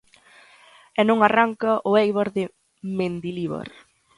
E non arranca o Éibar de Mendilibar.